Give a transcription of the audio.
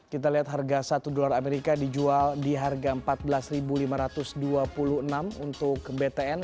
kita lihat harga satu dolar amerika dijual di harga rp empat belas lima ratus dua puluh enam untuk btn